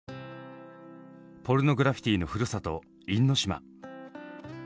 ポルノグラフィティのふるさと因島。